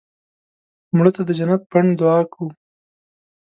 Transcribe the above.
مړه ته د جنت بڼ دعا کوو